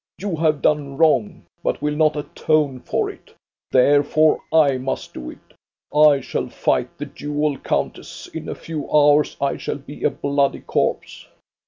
You have done wrong, but will not atone for it. Therefore I must do it. I shall fight the duel, countess. In a few hours I shall be a bloody corpse."